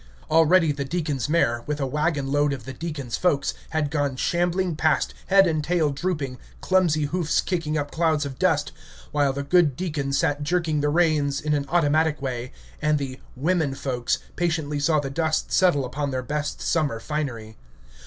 Already the deacon's mare, with a wagon load of the deacon's folks, had gone shambling past, head and tail drooping, clumsy hoofs kicking up clouds of dust, while the good deacon sat jerking the reins, in an automatic way, and the "womenfolks" patiently saw the dust settle upon their best summer finery.